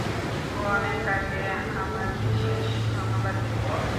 প্রণেতাকে আমার বিশেষ ধন্যবাদ দিবে।